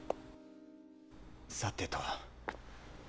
さてと。